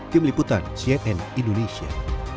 tim liputan cnn indonesia